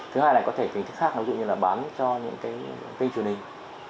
thứ hai là có thể hình thức khác ví dụ như là bán cho những cái kênh truyền hình